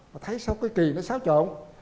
mà thấy sao cái kì nó xáo trộn